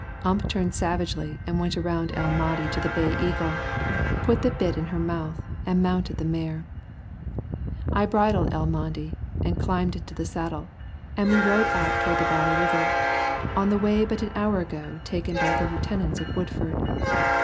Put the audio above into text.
Ump turned savagely and went around El Mahdi to the Bay Eagle, put the bit in her mouth and mounted the mare. I bridled El Mahdi and climbed into the saddle, and we rode out toward the Valley River, on the way but an hour ago taken by the lieutenants of Woodford.